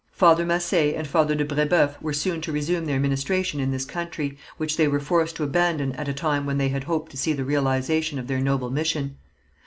Father Massé and Father de Brébeuf were soon to resume their ministration in this country, which they were forced to abandon at a time when they had hoped to see the realization of their noble mission.